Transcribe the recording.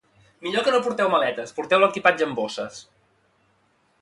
Millor que no porteu maletes, porteu l'equipatge en bosses